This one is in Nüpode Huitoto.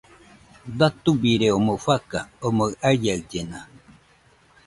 Datubirie omoi fakan omɨ aiaɨllena.